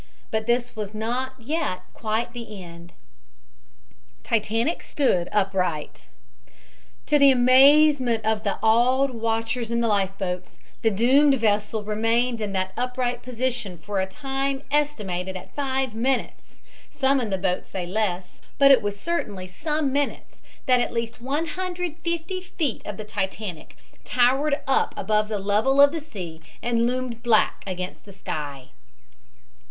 But this was not yet quite the end. TITANIC STOOD UPRIGHT To the amazement of the awed watchers in the life boats, the doomed vessel remained in that upright position for a time estimated at five minutes; some in the boat say less, but it was certainly some minutes that at least 150 feet of the Titanic towered up above the level of the sea and loomed black against the sky.